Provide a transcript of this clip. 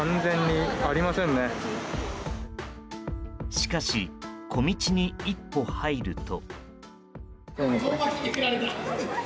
しかし、小道に一歩入ると。